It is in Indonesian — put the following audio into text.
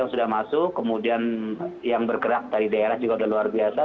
sudah masuk kemudian yang bergerak dari daerah juga sudah luar biasa